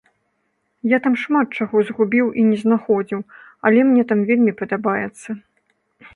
Я там шмат чаго згубіў і не знаходзіў, але мне там вельмі падабаецца.